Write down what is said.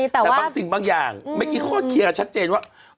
แต่บางสิ่งบางอย่างเมื่อกี้เขาก็เคลียร์ชัดเจนว่า